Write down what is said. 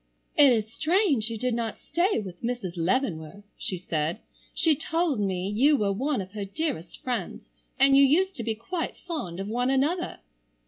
"It is strange you did not stay with Mrs. Leavenworth," she said. "She told me you were one of her dearest friends, and you used to be quite fond of one another."